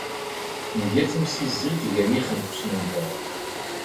Nga timsizzelt gar yixenfusen-nteɣ.